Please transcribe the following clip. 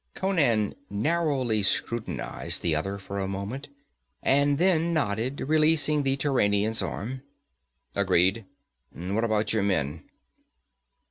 Conan narrowly scrutinized the other for a moment, and then nodded, releasing the Turanian's arm. 'Agreed; what about your men?'